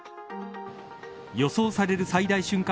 予想される最大瞬間